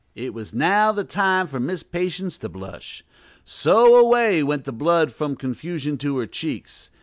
It was now the time for Miss Patience to blush: so away went the blood from confusion to her cheeks.